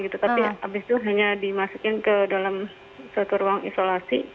tapi habis itu hanya dimasukin ke dalam suatu ruang isolasi